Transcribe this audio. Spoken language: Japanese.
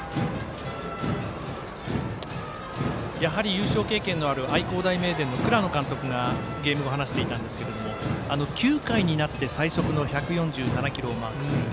優勝経験のある愛工大名電の倉野監督が、ゲーム後話していたんですけど９回になって最速の１４７キロをマークする。